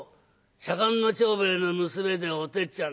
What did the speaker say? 左官の長兵衛の娘でおてっちゃんだよ。